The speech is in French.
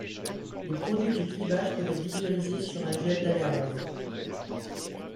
Les produits du clivage peuvent être visualisés sur un gel d'agarose.